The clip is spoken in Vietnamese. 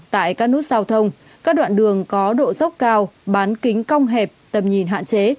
tại các nút giao thông các đoạn đường có độ dốc cao bán kính cong hẹp tầm nhìn hạn chế